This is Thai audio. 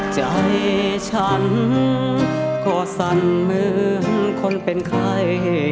ใจฉันก็สั่นเหมือนคนเป็นใคร